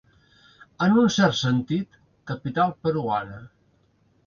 En un cert sentit, capital peruana.